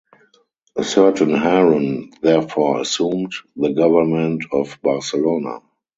A certain Harun therefore assumed the government of Barcelona.